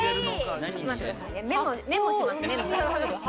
メモします。